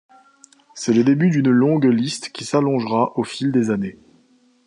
C'est le début d'une longue liste qui s'allongera au fil des années.